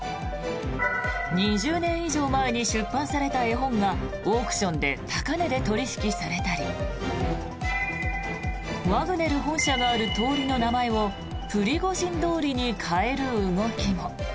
２０年以上前に出版された絵本がオークションで高値で取引されたりワグネル本社がある通りの名前をプリゴジン通りに変える動きも。